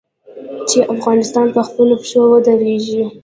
چې افغانستان په خپلو پښو ودریږي.